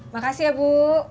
makasih ya bu